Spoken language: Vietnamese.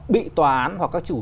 bị tòa án hoặc các chủ